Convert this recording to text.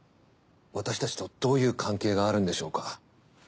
私たちとどういう関係があるんでしょうか？